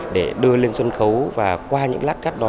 để đưa lên sân khấu và qua những lát cắt đó